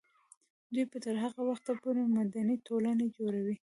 دوی به تر هغه وخته پورې مدني ټولنه جوړوي.